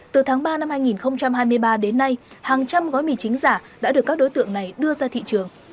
từ tháng ba năm hai nghìn hai mươi ba đến nay hàng trăm gói mì chính giả đã được các đối tượng này đưa ra thị trường